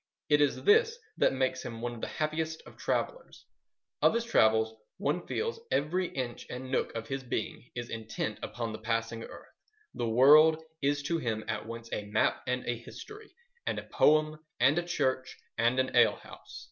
It is this that makes him one of the happiest of travellers. On his travels, one feels, every inch and nook of his being is intent upon the passing earth. The world is to him at once a map and a history and a poem and a church and an ale house.